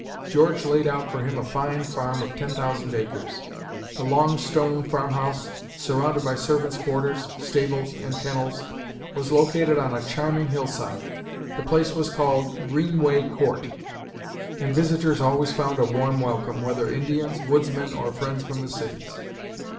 George laid out for him a fine farm of ten thousand acres. The long stone farm house, surrounded by servants' quarters, stables and kennels, was located on a charming hillside. The place was called "Greenway Court," and visitors always found a warm welcome, whether Indians, woodsmen, or friends from the cities.